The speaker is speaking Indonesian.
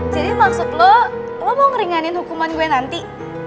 jadi maksud lo lo mau ngeringanin hukuman gue nanti